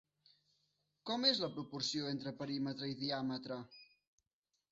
Com és la proporció entre perímetre i diàmetre?